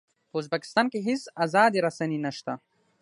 په ازبکستان کې هېڅ ازادې رسنۍ نه شته.